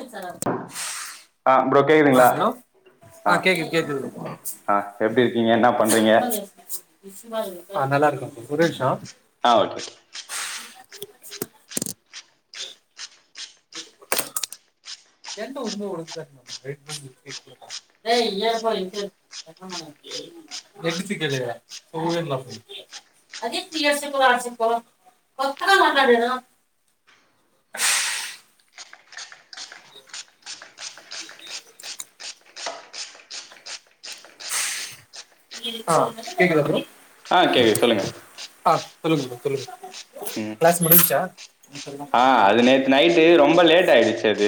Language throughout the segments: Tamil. [unintelligible] ஆ ப்ரோ ஆஹ் கேக்குதுங்களா ஹலோ ஆ ஆஹ் கேக்குது கேக்குது ஆ எப்டி இருக்கீங்க என்ன பண்றீங்க ஆஹ் நல்லாருக்கோ சுரேஷா ஆஹ் ஓகே [inaudible] [inaudible] [inaudible] [unintelligible] ஆஹ் கேக்குதா ப்ரோ ஆஹ் கேக்குது சொல்லுங்க ஆ சொல்லுங்க ப்ரோ சொல்லுங்க க்ளாஸ் முடிஞ்ச்சா ஆஹ் அது நேத்து நைட்டு ரொம்ப லேட் ஆயிடுச்சு அது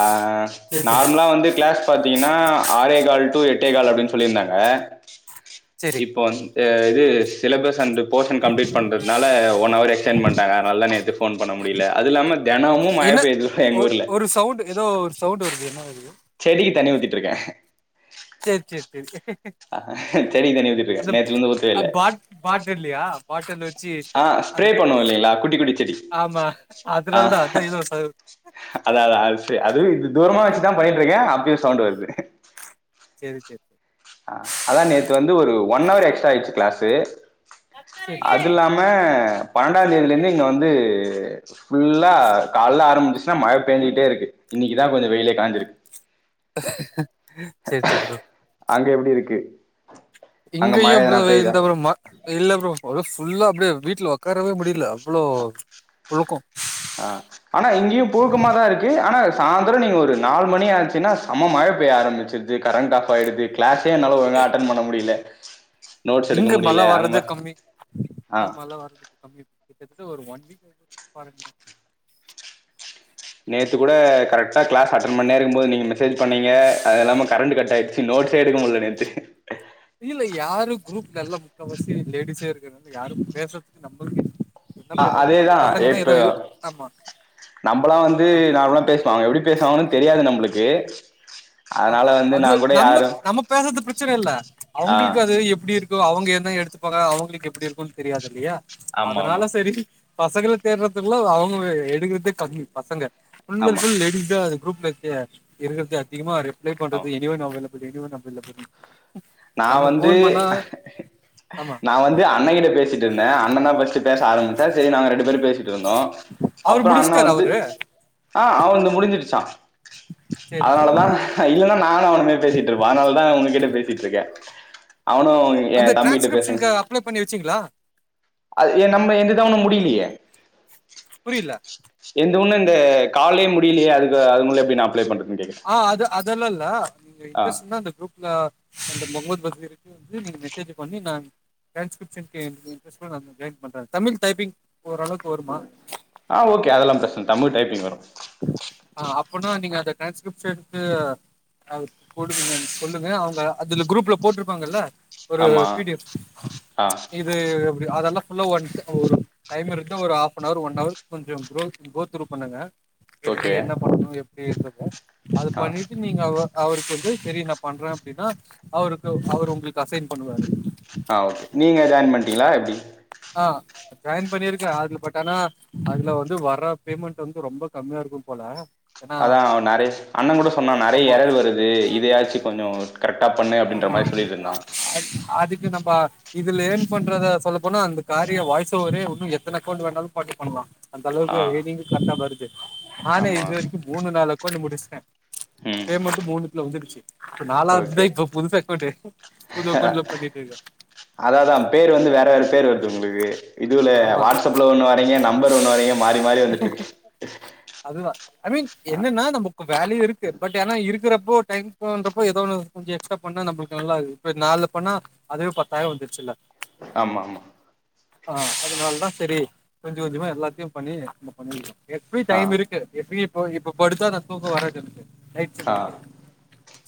அஹ் சேரி சேரி நார்ம்லா வந்து கிளாஸ் பாத்திங்னா ஆறேகால் டு எட் டேகால் அப்டின் சொல்லிருந்தாங்க சேரி இப்போ வந் அ இது சிலபஸ் அன்டு போஷன் கம்ப்ளிட் பண்றத்னால ஒன் ஹவர் எக்ஸ்டன் பண்ட்டாங்க அதனாலதா நேத்து போன் பண்ண முடியலெ அதுல்லாம தெனாமு மழ என்ன பெய்து எங்க ஊர்ல சவுண்டு வருது என்ன வருது செடிக்கு தண்ணி ஊத்திட்ருக்கே செர் செர் செரி ஆஹ் செடிக் தண்ணி ஊத்திட்ருக்கே நேத்லந்து ஊத்வே இல்ல பாட்டுலு சீ ஆ ஸ்ப்ரே அது பண்ணுவோம் இல்லைங்களா குட்டி குட்டி செடி ஆமா ஆ அதுனால தா அதான் இது ஒரு ச அதா அதா அது செ அதுவு இது தூரமா வச்சுதா பண்ணிட்ருக்கே அப்பயு சவுண்ட் வருது செரி செரி ஆஹ் அதான் நேத் து வந்து ஒரு ஒன் அவர் எக்ஸ்ட்ரா ஆய்ச்சி க்ளாஸ் து சரி அதுல்லாம பன்னெண்டா தேதிலந்து இங்க வந்து ஃபுல்லா கால்ல ஆரம்பிச்சிச்னா மழ பேஞ்சுகிட்டே இருக்கு இன்னைக்குதா கொஞ்சொ வெயிலே காஞ்சிருக்கு சரி அங்கே எப்டி இருக்கு அங்க மழ இங்கயும் எதனா அப்டிதா பெய்தா வெயில்தா ப்ரோ மா ‌இல்ல ப்ரோ ஒரு ஃபுல்லா அப்டியே வீட்ல ஒக்காரவே முடில அவ்ளோ புழுக்கொ ஆஹ் ஆனா இங்கெயு புழுக்கமாதா இருக்கு ஆனா சாந்தரொ நீங்க ஒரு நாலு மணி ஆச்சுன்னா செம மழ பெய்ய ஆரம்பிச்சிர்து கரண்ட் ஆஃப் ஆயிடுது க்ளேஸ் ஏ என்னால ஒழுங்கா அட்டன் பண்ண முடில இங்க மழ வர்றது கம்மி இங்க ஆ மழ வர்றது கம்மிப் கிட்டதட்ட ஒரு ஒன் வீக்காச்சு பாருங்களே நேத்து குட கரெக்டா கிளாஸ் அட்டன் பண்ணே இருக்கும் போது நீங்க மெசேஜ் பண்ணிங்க அது இல்லாம கரண்டு கட் ஆயிடுச்சு நோட்ஸே எடுக்க முடில நேத்து இதில்ல யாரு குரூப் நல்ல முக்காவாசி லேடிஸே இருக்க யாரும் பேசுறதுக்கு நம்மளுக்கு என்ன அ பேசுறது நம்ம அதேதா பசங்கன்னா ஏதோ இப்ப ஆமா நம்மள்ளா வந்து ஆமா நார்மலா பேசுவாங்க எப்டி பேசுவாங்கனு தெரியாது நம்ளுக்கு ஏ ஆமா அது நம்ம நம்ம பேசற்து பிரச்சன இல்ல ஆ அவங்கள்க்கு அது எப்டி இருக் அவங்க எத எடுத்துப்பாங்க அவங்களுக்கு எப்டி இருக்குன் தெரியாது இல்லயா ஆமா ஆமா அதனால சரி பசங்கள தேடுறதுக்குள்ள அவங்கவே இருக்குறதே கம்மி பசங்க ஃபுல் அன் ஆமா ஃபுல் லேடிஸ் தா அது குரூப்லத்திய இருக்றதே திமாரு லே பண்றது ஆமா [unintelligible] [unintelligible] நா நம்ம வந்து ஃபோன் பண்ணா ஆமா. நா வந்து அண்ணங்கிட்ட பேசிட்டு இருந்தே அண்ணந்தா ஃபர்ஸ்டு பேச ஆரம்பிச்சா செரி நாங்க ரெண்டு பேரு பே சிட்டு இருந்தோ அவரு அப்றொ அண்ண முடிச்சுட்டாரு வந்து அவரு? ஆ அவன்ந்து முடிஞ்சிருச்சா சரி, சரி, அதனாலதா சரி. இல்லன்னா நானு அவனுமே பேசிட்ருப்போ அதனால தா உனக்கு கிட பேசிட் இருக்கே அந்த டிரான்ஸ்கிரிப்ஷ்ன்னு அப்ளை பண்ணி வச்சீங்களா அது ஏ நம்ம எந்த த ஒண்ணு முடியலையே புரியில ஒன்னு இந்த காலே முடியலையே அதுக்கு அதுக்குள்ள எப்டி நா அப்ளை பண்றது ஆ‌ அது அதெல்லா இல்ல ஆ [unintelligible] அந்த குரூப்ல அந்த [unintelligible] இவருக்கு வந்து நீங்க மெசேஜ் பண்ணி நா ட்ரான்ஸ்கிரிப்ஷன் [unintelligible] ஜாயின் பண்றே தமிழ் டைப்பிங் ஓரளவுக்கு வருமா ஆ ஓகே அதெல்லா பிரச்சன தமிழ் டைப்பிங் வரும் அ அப்பனா நீங்க அத டிரான்ஸ்கிரிப்ஷன்க்கு போடுங்க சொல்லுங்க அவங்க அதுல குரூப்ல போட்ருப்பாங்கல்ல ஒரு ஆமா பீ டி ஃஎப் ஆ இது எப்டி அதெல்லா ஃபுல்லா ஒன் ஒரு டைம் இருந்த ஒரு ஹப்னார் ஒன் ஹவர் கொஞ்சம் கு கோத் ரூ பண்ணுங்க எப்டி ஓகே என்ன பண்ணு எ அப்டின்றத அது ஆ பண்ணிட்டு நீங்க அவ அவருக்கு வந்து செரி நா பண்றே அப்டின்னா அவருக்கு அவர் உங்களுக்கு அசைன் பண்ணுவாரு நிலா எப்டி ஆ ஜாயின் பண்ணியிருக்கே அதுல பட் ஆனா அதுல வந்து வர பேமெண்ட் வந்து ரொம்ப கம்மியா இருக்கும் போல ஏன்னா அதா நெறைய அண்ணன் கூட சொன்னா நெறைய ஆமா எரர் வருது இதயாச்சும் கொஞ்சோ கரெக்டா பண்ணு அப்டின்ற மாரி சொல்லிருந்தா நம்ம இதுல ஏர்ன் பண்றத சொல்ல போனா அந்த காரிய வாய்சு ஒவரே ஒன்னு எத்தன அகவுண்ட் வேணாலு பாத்து பண்லா ஆ அந்தளவுக்கு ஏர்னிங்கு கர்ட்டா வருது நானே ஆமா இது வரைக்கு மூனு நாலு அக்கோண்டு முடிச் டே ம் பேமன்ட்டு மூணுத்துல வந்துருச்சு இப்ப நாலாவதுதா ஓகே இப்ப புது அக்கௌண்டு புது அக்கௌன்ட்ல பண்ணிட்டு இருக்கே அதாதா பேர் வந்து வேற வேற பேர் வருது உங்களுக்கு இதுல ஆமா வாட்ஸ்அப்ல ஒண்ணு வரீங்க நம்பர் ஒண்ணு வரீங்க மாறி மாறி வந்துட்டு இருக்கு அதுதா ஐ மீன் ஆ என்னன்னா நமக்கு வேலயு இருக்கு பட் ஏன்னா இருக்கிறப் போ டைம் பண்றப்போ ஏதோ ஒன்னு கொஞ்ச எக்ஸ்ட்ரா பண்ணா நம்பளுக்கு நல்லா இப்ப நாலு பண்ணா அதுவே பத்தாயிரம் வந்துருச்சுல்ல ஆமா ஆமா ஆஹ் அதனால தா சரி கொஞ்சம் கொஞ்சமா எல்லாத்தையு பண்ணி நம்ம பண்ணி இருக்கோ எப்டி ஆ டைம் இருக்கு எப்டி போ இப்போ படுத்தா நா தூக்கம் வராது எனக்கு நைட் ஆ ஷிப்ட்டுக்கு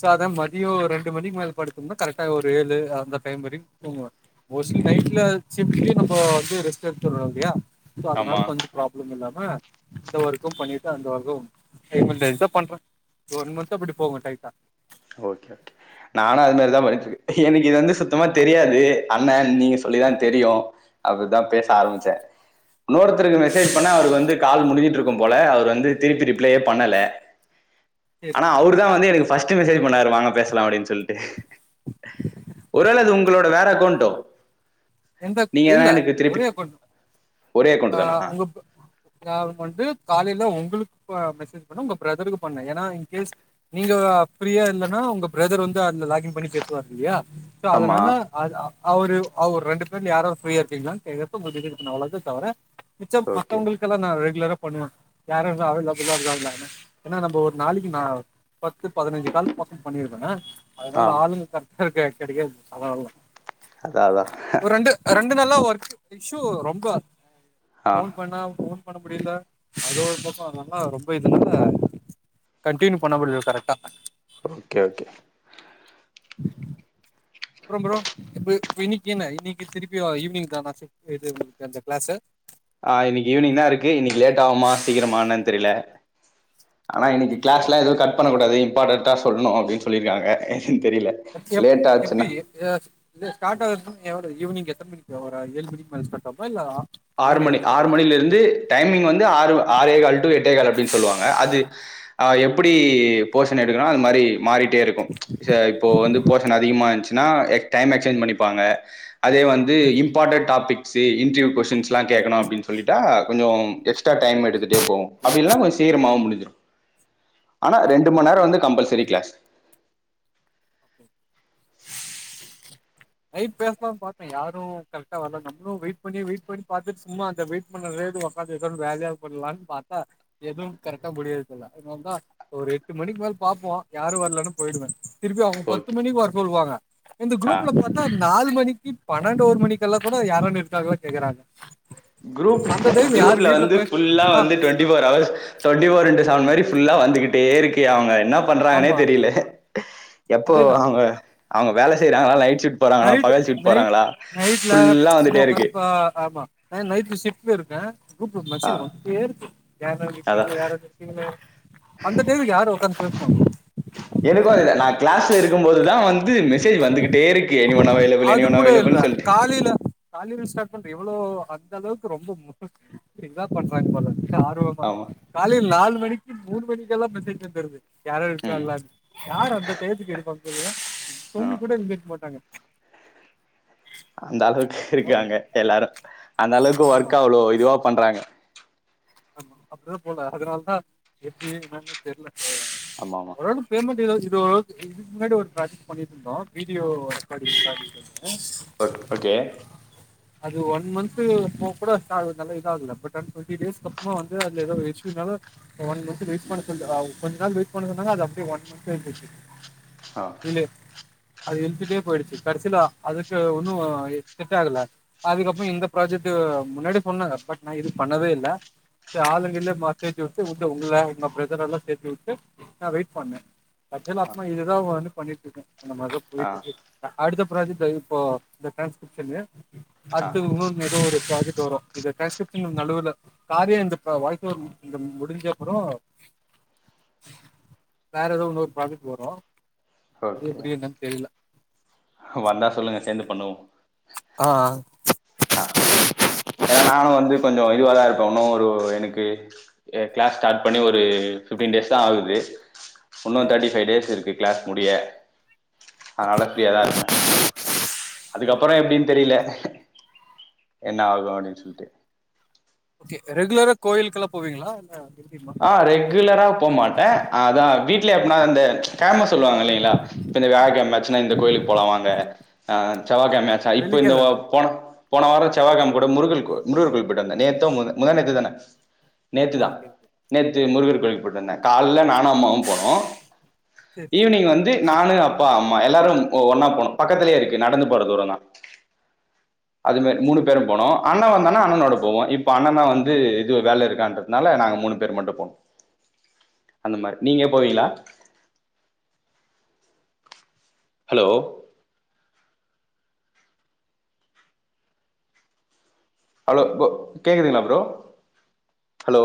சோ அதா மதியொ ஒரு ரெண்டு மணிக்கு மேல படுத்தம்னா கரெட்டா ஒரு ஏலு அந்த டைம் வரைக்கு தூங்குவே மோஸ்லி ம் நைட்ல சிஃப்ட்லயு நம் இப்போ வந்து ரெஸ்ட்டு எடுத்துறோ இல்லையா இது அதனால ஆமா கொஞ்சொ ப்ராப்ளம் இல்லாம ம இந்த ஒர்க்கு பண்ணிட்டு அந்த ஒர்க்கு சைமல்டேனிஸா பண்றெ இந்த ஒன் மன்த்து அப்டி போகு டைட்டா ஓகே ஓகே நானு அது மாரிதா பண்ணிட்ருக் எனக்கு இது வந்து சுத்தமா தெரியாது அண்ணன் நீங்க சொல்லிதா தெரியு அதுதா பேச ஆமா ஆரம்பிச்செ இன்னோருத்தருக்கு மெசேஜ் பண்ண அவருக்கு வந்து கால் முடியும் இருக்கும் போல அவர் வந்து திருப்பி ரிப்ளையே பண்ணல செரி ஆனா அவ்ருதா வந்து எனக்கு ட்டு மெசேஜ் பண்ணாரு வாங்க பேசலா அப்டின் சொல்ட்டு ஒரு வேள அது உங் களோட வேற அக்கோன்ட்டோ எந்த அக் இல்ல ஒரே அக்கோன்ட் ஒரே அக்கௌண்ட் ஆஹ் தானா உங்கப் கா வந்து காலைல ஒங்களுக் ப மெசேஜ் பண்ண உங்க பிரதருக்கு பண்ண ஏனா இன் கேஸ் நீங்க பிரியா இல்லன்னா உங்க பிரதர் வந்து அந்த லாகி கின் பண்ணி பேசுவார் இல்லையா சோ ஆமா அதனால அது அ அவரு அவர் ரெண்டு பேர்ல யாரோ ஃபிரியா இருக்கீங்களான் கேக்கறது உங்ககிட்ட கேக்க அவ்ளோதா தவர மிச்சம் ஓகே மத்தவங்களுக்கெல்லா நா ரெகுலரா பண்ணுவே யாரோ இன்னு அவைலபுல இருக்காங்ளான்னு ஏனா நம்ம ஒரு நாளைக்கு நா பத்து பதினஞ்சு கால் பக்கொ பண்ணிருக்கனு ஆ அதனால ஆளுங்க கரெட்டாருக்காங் கெடைக்காத் [unintelligible] அதா அதா ரெண்டு நாளா ஒர்க் இஷ்யூ ரொம்ப ஆ போன் பண்ணா போன் பண்ண முடியல அது ஒரு பக்கொ அதல்லா ரொம்ப இதுனால கண்ட்டின்யூ பண்ண முடியல கரெக்டா ஓகே ஓகே அப்றொம் ப்ரோ இப்ப இன்னைக்கி என்ன இன்னைக்கி திருப்பி ஈவினிங் தானா இது அந்த க்ளாஸு ஆஹ் இன்னைக்கி ஈவினிங் தா இருக்கு இன்னைக்கு லேட் ஆகுமா சீக்கிரமா என்னன் தெரில ஆனா இன்னைக்கி க்ளாஸ்லா எது கட் பண்ண கூட டது இம்பார்ட்டன்டா சொல்ணு அப்டின் சொல்லிருக்காங்க என்னன்னு தெரியல அடுத்து எப் லேட் எப்டி ஆச்சுன்னா எதா இது ஸ்டாட் ஆகுதா எவ் ஈவினிங் எத்தன மணிக்கு ஒரு ஏழு மணிக்கு மேல ஸ்டார்ட் ஆகுமா இல்ல ஆ ஆறு மணி ஆறு மணில இருந்து டைமிங் வந்து ஆறு ஆறே கால் டு எட்டே கால் அப்டின்னு சொல்லுவாங்க அது எப்டி போஷன் எடுக்கணு அது மாரி மாறி டே இருக்கு இப்போ வந்து போஷன் அதிகமா இருந்துச்சு னா டைம் எக்ஸ்சேஞ்ச் பண்ணிப்பாங்க அதே வந்து சேரிங்க இம்பார்ட்டன்ட் டாபிக் சு இன்டர்வ்யூ கொஸ்டின்ஸ் லா கேக்கணு அப்படின்னு சொல்லிட்டா கொஞ்சம் எக்ஸ்டா டைம் எடுத்துட்டே போவு அப்படி இல்லனா கொஞ்சம் சீக்ரமாவு முடிஞ்சுரு ஆனா சேரி ரெண்டு சேரி மண் நேரோ சேரி வந்து கம்பள்சரி க்ளாஸ் ஓகே நைட் பேசலானு பாத்தே யாரு கரெக்டா வரல நம்மளு வெயிட் பண்ணி வெயிட் பண்ணி பாத்துட்டு சும்மா அந்த வெயிட் நேரத்துக்கு ஒக்காந்து ஏதன்னு வேலையா பண்ணலான்னு பாத்தா எதுவும் கரெக்டா முடியறதுல்ல இன்னந்தா ஒரு எட்டு மணிக்கு மேல பாப்போ யாரு வரலன்னா போயிடுவே திருப்பி அவங்க பத்து ஓகே மணிக்கு வர சொல்லுவாங்க இந்த ஆ குரூப்ல பாத்தா நாலு மணிக்கு பன்னெண்டு ஒரு மணிக்கெல்லா கூட யாரன்னு இருக்காங்களா கேக்குறாங்க குரூப் அந்த டைம் யாரு குரூப்ல வீட்ல வந்து போய் ஃபுல்லா ஆ வந்து twenty four hours twenty four into seven மாரி ஃபுல்லா வந்துக்கிட்டே இருக்கு அவங்க என்ன பண்றாங்கன்னே ஆமா தெரில எப்போ அதேதா அவங்க அவங்க வேல செய்றாங்களா நைட் ஷிஃப்ட் போறாங்களா நைட் பகல் ஷிஃப்ட் நைட் போறாங்களா நைட்ல ஃபுல்லா சும்மா வந்துட்டே இருக்கு ஒக்காந்து பா ஆமா நைட் [unintelligible] குரூப்ல ஆ மெசேஜ் வந்துட்டே இருக்கு யாருன அதா இருக்கீங்களா யாராது இருக்கீங்களா அந்த டைம் யாரு ஒக்காந்து பேசுவாங்க ல இருக்கும்போது தா வந் து மெசேஜ் வந்துகிட்டே இருக்கு எனி ஒன் அவைலபிள் எனி அது ஒன் கூட இல்ல அவைலபிள்னு சொல்ட்டு காலில காலில ச எவ்வளோ அந்த அளவுக்கு ரொம்ப இதா பண்றாங்க போல ஆர்வமா ஆமா காலையில நாலு மணிக் கி மூனு மணிக்கெல்லா மெசேஜ் வந்துருது யாரோ ம் இருக்காங்களா யார் அந்த டைத்துக்கு இருப்பாங் [inaudible] ஆ தூங்கி கூட எந்திரிக்க மாட்டாங்க அந்த அளவுக்கு ஐயோ, இருக்காங்க எல்லா ஹலோ அந்த அளவுக்கு ஆமா. ஒர்க் அவ்ளோ இதுவா பண்றாங்க ஆமா அப்படிதா போல அதனால தா எப்படி என்னனே தெரில ஆமா ஆமா ஒரு வேல பேமெண்ட் எதாச்சு இது இதுக்கு முன்னாடி ஒரு ப்ராஜக்ட் பண்ணிட்டு இருந்தோ video recording project okay okay அது ஒன் மந்த் போ கூட ஸ்டல்ல இததுாக ப் ஒன் டொண்டி டேஸ் சும்மா வந்து அதுல ஏதோ ஒரு ஹெச்பினால ஒன்மந்த் வெய்ட் பண்ண சொன்னா ஆ கொஞ்ச நாள் வெயிட் பண்ணுங்கனு தாங்க அது அப்படியே ஒன் மந்த் ஆயி போச்சி ஆ டிலே அது இழுத்துட்டே போயிடுச்சு கடைசிலா அதுக்கு ஒன்னும் செட் ஆகல அதுக்கப்புறோ இந்த ப்ராஜெக்ட் முன்னாடி பண்ணாங்க பட் நா இது பண்ணவே இல்ல சரி ஆளுங்க இல்ல பஸ் ஏத்திவுட்டு உங்க உங்கள பிரதர் எல்லா சேத்து வுட்டு நா வெயிட் பண்ணே ஆக்சுவலா ஆ அத்மா இதுதா வரு பண்ணிட்டு இருக்கே இந்த மாரிலா ஆ [unintelligible] அடுத்த ப்ராஜக்ட் இப்போ இந்த டிரான்ஸ்கிரிப்ஷனு ஆ அடுத்து ஒன்னொன்னு எதோ ஒரு ப்ராஜக்ட் வரு இது டெஸ்ட் நடுவுல காரியா இந்த இப்ப வாய்ஸ் ஓவர முடிஞ்ச அப்புறோ வேற எதோ ஓரு ப்ராஜெக்ட் வரு அது ஓகே எப்படி என்னானு தெரில வந்தா சொல்லுங்க சேந்து பண்ணுவோ ஆ ஆ ஆ ஏனா நானு வந்து கொஞ்ச இதுவா தா இருப்போ இன்னோ ஒரு எனக்கு கிளாஸ் ஸ்டார்ட் பண்ணி ஒரு ஃபிப்டீன் டேஸ் தா ஆகுது உன்ன சரி தேர்டி பை டேஸ் இருக்கு கிளாஸ் முடிய ஓகே அதனால ஃபிரியாதா இருப்பே அதுக்கப்புறோ ஓகே எப்டின்னு தெரியில என்ன ஆகு அப்படின் சொல்ட்டு ஓகே ரெகுலரா கோயிலுக்கெல்லா போவீங்களா எப்டிமா ஆ ரெகுலரா போ மாட்டே அதா வீ லி அப்பனா அந்த பேமஸ் சொல்லுவாங்க இல்லைங்களா இப்ப இந்த வியாழக்கிழமை ஆச்சுனா இந்த கோயிலுக்கு போலா வாங்க ஆ செவ்வாய் கிழம ஆச்சா இப்போ இந்த வெள்ளிக்கிழம போன போன வாரம் செவ்வாய்கிழம கூட முருகல் முருகர் கோயிலுக்கு போயிட்டு வந்தே நேத்தோ முந்தா நேத்து தான நேத்துதான். ஓகே நேத்து முருகர் கோயில் போயிட்டு வந்தே காலைலே நாலு அம்மாவு போனோ சேரி சேரி ஈவினிங் வந்து நானு அப்பா அம்மா எல்லாரு ஒன்னா போனோ பக்கத்துலயே இருக்கு நடந்து போற தூர தா அதுங்க மூணு பேரு போனோ அண்ணன் வந்தானா அண்ணனோட போவோ இப்போ அண்ணமா வந்து இது வேல இருக்கான்ற தாலே நாங்க மூணு பேரு போனோ பெர்மனேன்ட்டு அப்போ அந்த மாரி நீங்க போவீங்ளா ஹலோ ஹலோ வு கேக்குதுங்ளா ப்ரோ ஹலோ